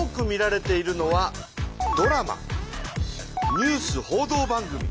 ニュース報道番組。